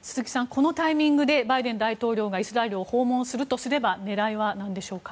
このタイミングでバイデン大統領がイスラエルを訪問するとすれば狙いは何でしょうか。